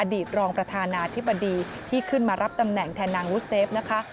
ตรองประธานาธิบดีที่ขึ้นมารับตำแหน่งแทนนางวุเซฟนะคะ